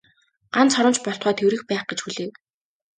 Ганц хором ч болтугай тэврэх байх гэж хүлээв.